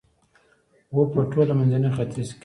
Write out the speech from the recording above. و په ټول منځني ختیځ کې